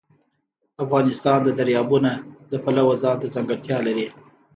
افغانستان د دریابونه د پلوه ځانته ځانګړتیا لري.